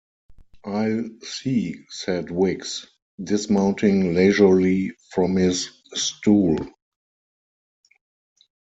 ‘I’ll see,’ said Wicks, dismounting leisurely from his stool.